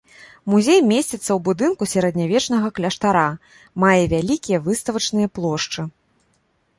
Музей месціцца ў будынку сярэднявечнага кляштара, мае вялікія выставачныя плошчы.